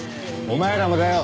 お前らもだよ！